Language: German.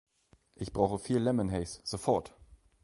Ich brauche viel Lemon Haze, sofort!